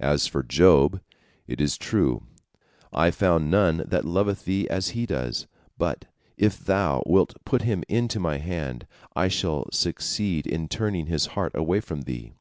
As for Job, it is true, I found none that loveth Thee as he does, but if Thou wilt put him into my hand, I shall succeed in turning his heart away from Thee."